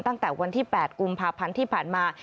ตั้งแต่วันที่๘กุมภาพันธ์ที่ผ่านมา